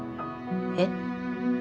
えっ？